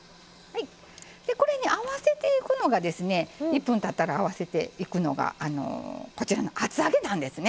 これに合わせていくのがですね１分たったら合わせていくのがこちらの厚揚げなんですね。